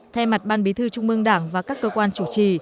thay mặt ban bí thư trung mương đảng và các cơ quan chủ trì